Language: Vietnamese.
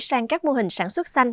sang các mô hình sản xuất xanh